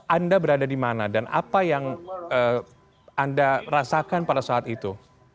anda berada di mana dan apa yang anda rasakan pada saat itu